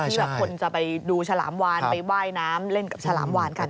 แบบคนจะไปดูฉลามวานไปว่ายน้ำเล่นกับฉลามวานกัน